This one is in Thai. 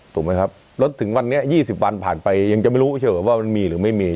ถูกไหมครับแล้วถึงวันนี้๒๐วันผ่านไปยังจะไม่รู้ใช่ไหมว่ามันมีหรือไม่มี